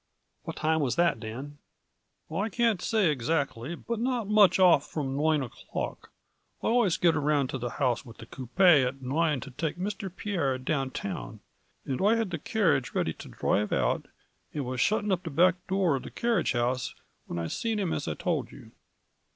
" What time was that, Dan ?"" I can't say exactly, but not much off from nine o'clock, I always get around to the house with the coopay at nine to take Mr. Pierre down town, and I had the carriage ready to drive out, and was shutting up the back door of the car riage house whin I seen him as I told you."